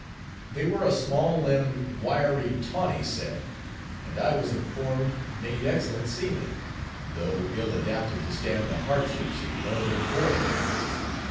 They were a small limbed, wiry, tawny set; and I was informed made excellent seamen, though ill adapted to stand the hardships of northern voyaging.